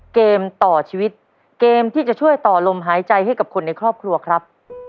เกมต่อชีวิตเกมที่จะช่วยต่อลมหายใจให้กับคนในครอบครัวครับ